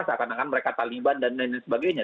seakan akan mereka taliban dan lain sebagainya